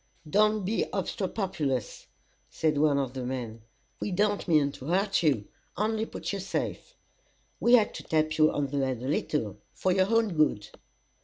"Don't be obstropolous," said one of the men. "We don't mean to hurt you; only put you safe. We had to tap you on the head a little, for your own good."